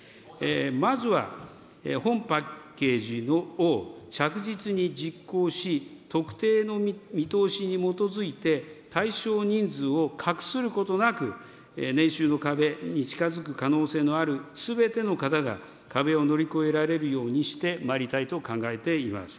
まずは本パッケージを着実に実行し、特定の見通しに基づいて、対象人数をかくすることなく、年収の壁に近づく可能性のあるすべての方が壁を乗り越えられるようにしてまいりたいと考えています。